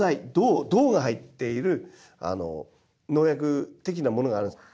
銅が入っている農薬的なものがあるんです。